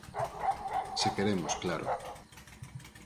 Se queremos, claro.